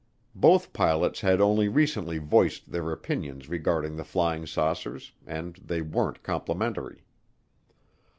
Both pilots had only recently voiced their opinions regarding the flying saucers and they weren't complimentary.